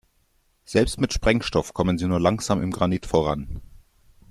Selbst mit Sprengstoff kommen sie nur langsam im Granit voran.